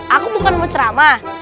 aku bukan mau ceramah